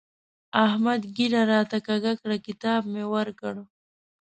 احمد ږيره راته کږه کړه؛ کتاب مې ورکړ.